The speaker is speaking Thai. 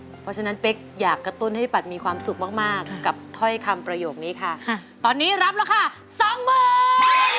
เพราะฉะนั้นเป๊กอยากกระตุ้นให้ปัดมีความสุขมากกับถ้อยคำประโยคนี้ค่ะตอนนี้รับราคาสองหมื่น